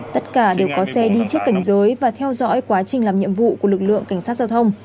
tất cả đều có xe đi trước cảnh giới và theo dõi quá trình làm nhiệm vụ của lực lượng cảnh sát giao thông